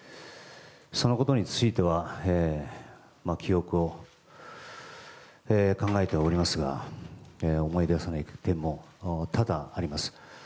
そのことについては記憶を考えておりますが思い出せない点も多々あります。